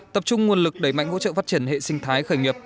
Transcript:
tập trung nguồn lực đẩy mạnh hỗ trợ phát triển hệ sinh thái khởi nghiệp